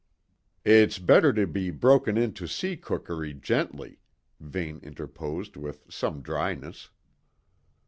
"It's better to be broken in to sea cookery gently," Vane interposed with some dryness.